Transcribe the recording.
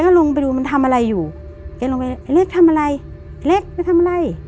แกก็ลงไปดูมันทำอะไรอยู่แกลงไปไอ้เล็กทำอะไร